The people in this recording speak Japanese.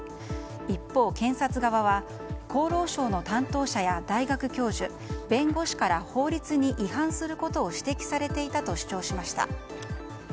一方、検察側は厚労省の担当者や大学教授、弁護士から法律に違反することを指摘されていたと主張しました。